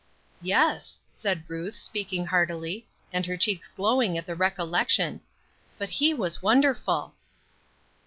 "Yes," said Ruth, speaking heartily, and her cheeks glowing at the recollection "but he was wonderful!"